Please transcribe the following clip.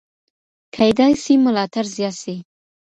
کېدای سي ملاتړ زیات سي.